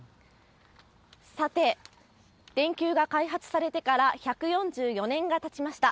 さて、電球が開発されてから１４４年がたちました。